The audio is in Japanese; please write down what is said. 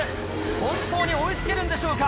本当に追い付けるんでしょうか？